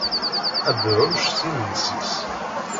Abeɛɛuc s yimensi-s.